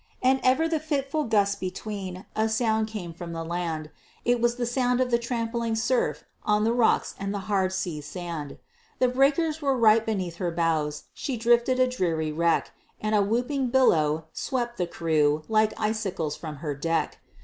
And ever the fitful gusts between A sound came from the land; It was the sound of the trampling surf On the rocks and the hard sea sand. The breakers were right beneath her bows, She drifted a dreary wreck, And a whooping billow swept the crew Like icicles from her deck.